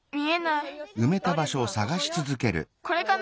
これかな。